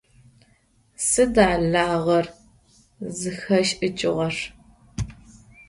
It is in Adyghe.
Сыда лагъэр зыхэшӏыкӏыгъэр?